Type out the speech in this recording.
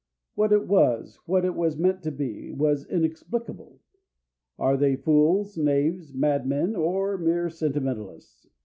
What it was, what it was meant to be, was inexplicable. Are they fools, knaves, madmen, or mere sentimentalists?...